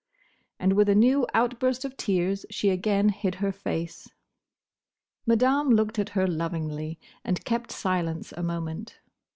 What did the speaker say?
And with a new outburst of tears she again hid her face. Madame looked at her lovingly, and kept silence a moment.